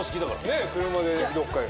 ねえ車でどっか。